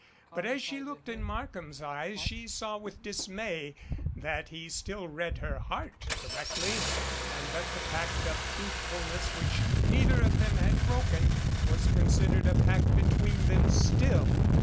But as she looked in Markham's eyes she saw with dismay that he still read her heart correctly and that the pact of truthfulness which neither of them had broken was considered a pact between them still.